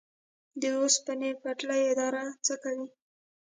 د اوسپنې پټلۍ اداره څه کوي؟